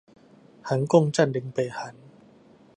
韓共占領北韓